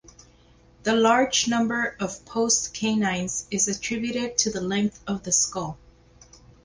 The large number of postcanines is attributed to the length of the skull.